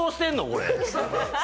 これ。